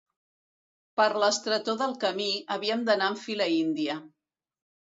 Per l'estretor del camí, havíem d'anar en fila índia.